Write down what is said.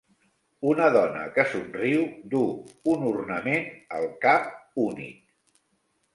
Una dona que somriu duu un ornament al cap únic